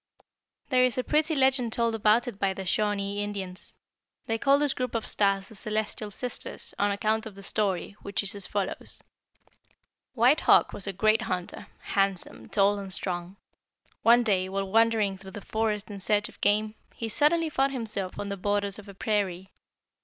"There is a pretty legend told about it by the Shawnee Indians. They call this group of stars the 'Celestial Sisters,' on account of the story, which is as follows: "White Hawk was a great hunter, handsome, tall, and strong. One day, while wandering through the forest in search of game, he suddenly found himself on the borders of a prairie.